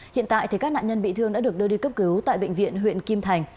hiện tại các nạn nhân bị thương đã được đưa đi cấp cứu tại bệnh viện huyện kim thành